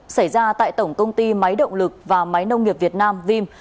xảy ra tại tổng công ty máy động lực và máy nông nghiệp việt nam vim